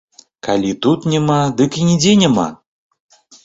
Калі тут няма, дык і нідзе няма.